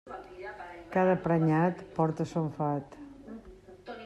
Cada prenyat porta son fat.